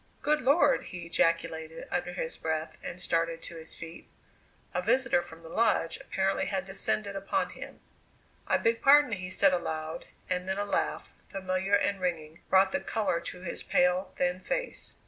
"Good Lord!" he ejaculated under his breath and started to his feet. A visitor from the Lodge apparently had descended upon him. "I beg pardon," he said aloud, and then a laugh, familiar and ringing, brought the colour to his pale, thin face.